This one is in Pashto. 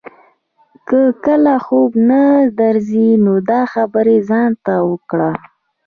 که کله خوب نه درځي نو دا خبرې ځان ته وکړه.